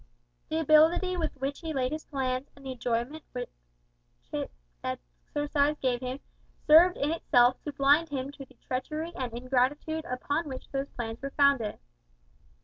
The ability with which he laid his plans, and the enjoyment which its exercise gave him, served in itself to blind him to the treachery and ingratitude upon which those plans were founded.